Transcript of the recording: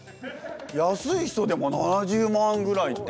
安い人でも７０万ぐらいってね。